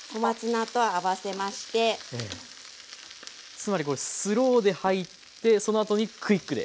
つまりこれスローで入ってそのあとにクイックで。